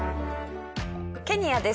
ケニアです。